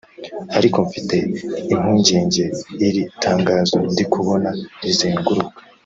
Ariko mfite impungenge iri tangazo ndi kubona rizenguruka